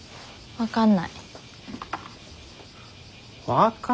分かんないって。